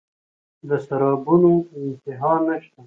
د سرابونو انتها نشته